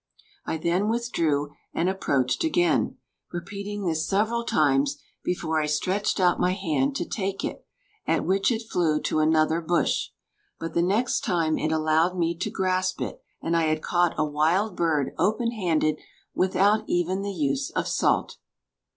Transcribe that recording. I then withdrew and approached again, repeating this several times before I stretched out my hand to take it, at which it flew to another bush. But the next time it allowed me to grasp it, and I had caught a wild bird open handed without even the use of salt!"